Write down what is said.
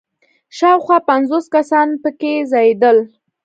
شاوخوا پنځوس کسان په کې ځایېدل.